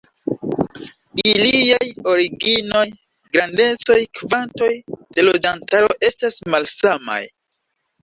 Iliaj originoj, grandecoj, kvantoj de loĝantaro estas malsamaj.